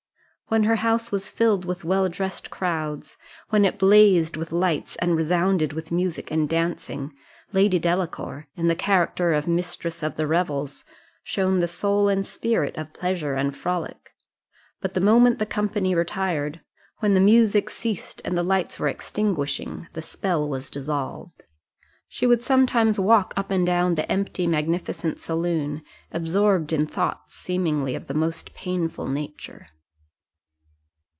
When her house was filled with well dressed crowds, when it blazed with lights, and resounded with music and dancing, Lady Delacour, in the character of Mistress of the Revels, shone the soul and spirit of pleasure and frolic: but the moment the company retired, when the music ceased, and the lights were extinguishing, the spell was dissolved. She would sometimes walk up and down the empty magnificent saloon, absorbed in thoughts seemingly of the most painful nature.